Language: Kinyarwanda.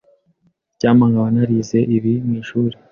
Icyampa nkaba narize ibi mwishuri.